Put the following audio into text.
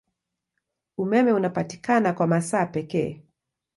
Umeme unapatikana kwa masaa pekee.